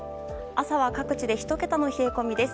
朝は各地で１桁の冷え込みです。